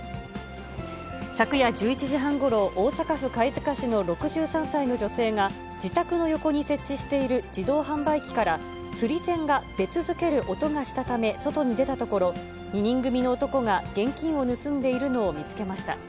昨夜１１時半ごろ、大阪府貝塚市の６３歳の女性が、自宅の横に設置している自動販売機から釣り銭が出続ける音がしたため、外に出たところ、２人組の男が現金を盗んでいるのを見つけました。